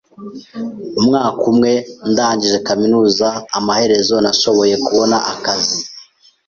Umwaka umwe ndangije kaminuza, amaherezo nashoboye kubona akazi.